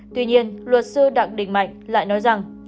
tuy nhiên luật sư đặng đình mạnh lại nói rằng